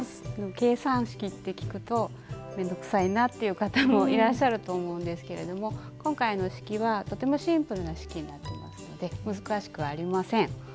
「計算式」って聞くと面倒くさいなっていう方もいらっしゃると思うんですけれども今回の式はとてもシンプルな式になってますので難しくありません。